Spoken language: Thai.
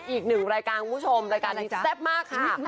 อีกหนึ่งรายการคุณผู้ชมรายการนี้แซ่บมากค่ะ